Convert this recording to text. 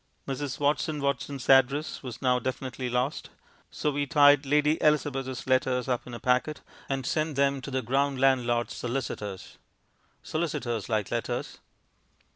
Mrs. Watson Watson's address was now definitely lost, so we tied Lady Elizabeth's letters up in a packet and sent them to the ground landlord's solicitors. Solicitors like letters.